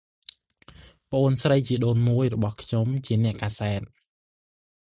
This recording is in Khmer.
ប្អូនស្រីជីដូនមួយរបស់ខ្ញុំជាអ្នកកាសែត ។